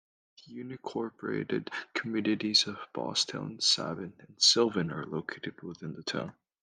The unincorporated communities of Bosstown, Sabin, and Sylvan are located within the town.